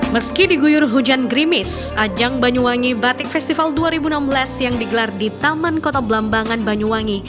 meski diguyur hujan grimis ajang banyuwangi batik festival dua ribu enam belas yang digelar di taman kota belambangan banyuwangi